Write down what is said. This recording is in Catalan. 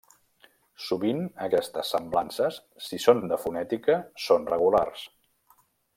Sovint, aquestes semblances, si són de fonètica, són regulars.